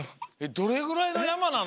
どれぐらいのやまなの？